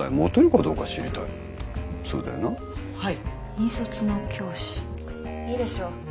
引率の教師いいでしょう。